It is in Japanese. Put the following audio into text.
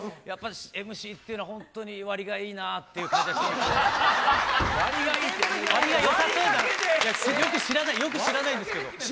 やっぱりＭＣっていうのは、本当に割がいいなっていう感じがしますけど。